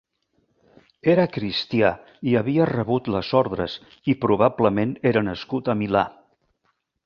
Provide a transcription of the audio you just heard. Era cristià i havia rebut les ordres, i probablement era nascut a Milà.